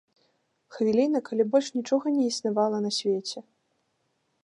Хвіліна, калі больш нічога не існавала на свеце.